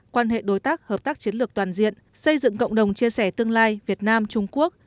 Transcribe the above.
quan hệ đối tác hợp tác chiến lược toàn diện xây dựng cộng đồng chia sẻ tương lai việt nam trung quốc